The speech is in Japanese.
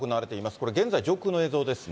これ、現在上空の映像ですね。